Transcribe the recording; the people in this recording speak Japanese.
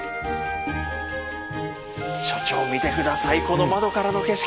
所長見て下さいこの窓からの景色！